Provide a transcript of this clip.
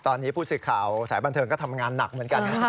ตอนนี้ผู้สื่อข่าวสายบันเทิงก็ทำงานหนักเหมือนกัน